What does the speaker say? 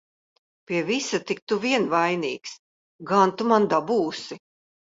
Pie visa tik tu vien vainīgs! Gan tu man dabūsi!